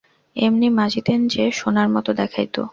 এমনি মাজিতেন যে, সোনার মত দেখাইত।